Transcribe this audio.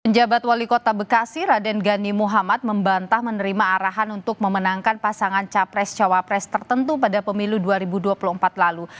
jabat wali kota bekasi raden gani muhammad membantah menerima arahan untuk memenangkan pasangan capres cawapres tertentu pada pemilu dua ribu dua puluh empat lalu